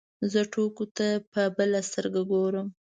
زه ټوکو ته په بله سترګه ګورم.